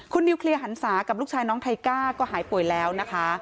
คุณนิวเคลียร์หันศากับลูกชายน้องไทก้าก็หายป่วยแล้วนะคะ